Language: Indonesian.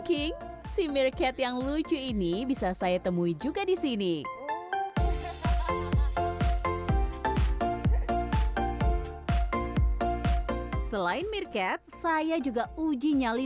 king si meercat yang lucu ini bisa saya temui juga disini selain meerkat saya juga uji nyali